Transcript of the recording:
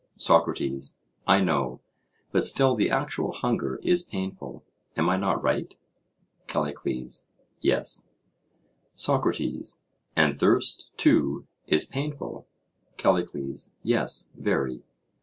SOCRATES: I know; but still the actual hunger is painful: am I not right? CALLICLES: Yes. SOCRATES: And thirst, too, is painful? CALLICLES: Yes, very.